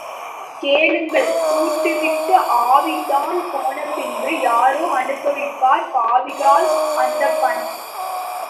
கேளுங்கள்—கூடுவிட்டு ஆவிதான் போன பின்பு யாரே அனுபவிப்பர் பாவிகாள் அந்தப் பணம்!